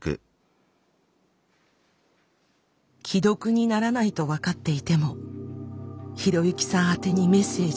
既読にならないと分かっていても啓之さん宛てにメッセージを送信。